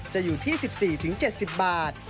จะอยู่ที่๑๔๗๐บาท